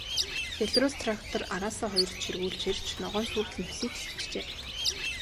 Белорусс трактор араасаа хоёр чиргүүл чирч, ногоон сүрэл нэвсийтэл ачжээ.